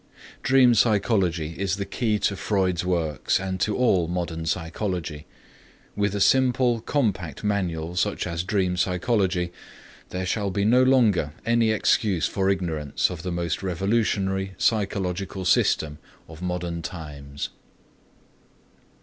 Dream psychology is the key to Freud's works and to all modern psychology. With a simple, compact manual such as Dream Psychology there shall be no longer any excuse for ignorance of the most revolutionary psychological system of modern times.